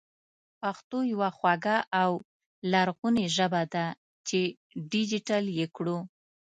پښتو يوه خواږه او لرغونې ژبه ده چې ډېجېټل يې کړو